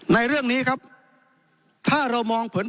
ในเรื่องนี้ครับถ้าเรามองเผิน